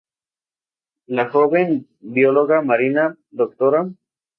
La joven bióloga marina Dra.